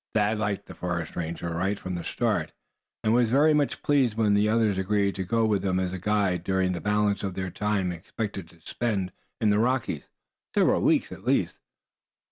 Thad liked the forest ranger right from the start, and was very much pleased when the other agreed to go with them as guide during the balance of the time they expected to spend in the Rockies several weeks at least.